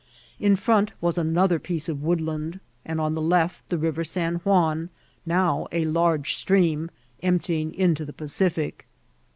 In front was another piece of woodland, and on the left ^ River San Juan, now a large stream, empiymg into the Pacific.